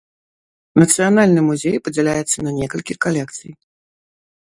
Нацыянальны музей падзяляецца на некалькі калекцый.